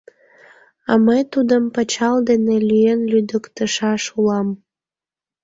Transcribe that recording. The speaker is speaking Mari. А мый тудым пычал дене лӱен лӱдыктышаш улам.